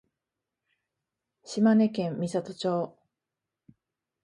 島根県美郷町